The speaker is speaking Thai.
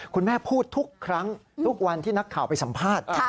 คุณแม่พูดทุกครั้งทุกวันที่นักข่าวไปสัมภาษณ์